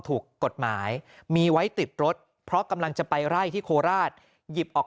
ถูกกฎหมายมีไว้ติดรถเพราะกำลังจะไปไล่ที่โคราชหยิบออก